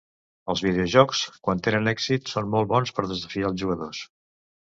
Els videojocs, quan tenen èxit, són molt bons per desafiar els jugadors.